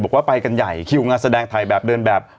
บอกว่าไปกันใหญ่คิวงานแสดงไทยแบบเดินแบบ